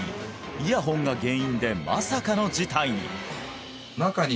イヤホンが原因でまさかの事態に！